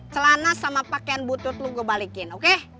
celana sama pakaian butut lu gue balikin oke